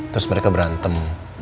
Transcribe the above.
terus mereka berantem